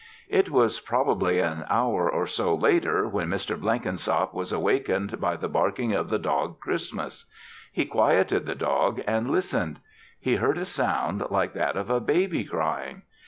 It was probably an hour or so later, when Mr. Blenkinsop was awakened by the barking of the dog Christmas. He quieted the dog and listened. He heard a sound like that of a baby crying.